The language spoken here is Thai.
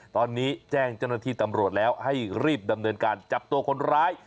ตอนนี้แจ้งเจ้าหน้าที่ตำรวจแล้วให้รีบดำเนินการจับตัวคนร้าย